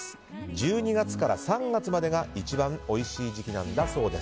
１２月から３月までが一番おいしい時期なんだそうです。